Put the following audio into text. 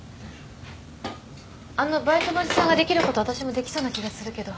あのバイトのおじさんができること私もできそうな気がするけど。